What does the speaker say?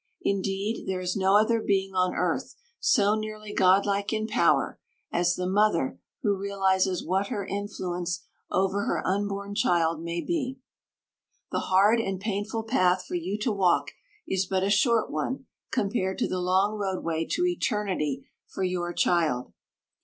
Indeed, there is no other being on earth so nearly Godlike in power as the mother who realizes what her influence over her unborn child may be. The hard and painful path for you to walk is but a short one compared to the long roadway to eternity for your child.